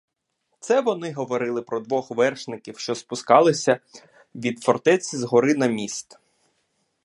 Це вони говорили про двох вершників, що спускалися від фортеці з гори на міст.